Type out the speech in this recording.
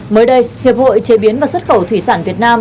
mới đây hiệp hội chế biến và xuất khẩu thủy sản việt nam